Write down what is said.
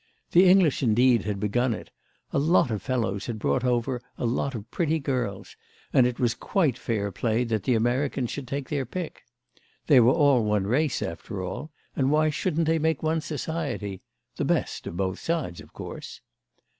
The English indeed had begun it; a lot of fellows had brought over a lot of pretty girls, and it was quite fair play that the Americans should take their pick. They were all one race, after all; and why shouldn't they make one society—the best of both sides, of course?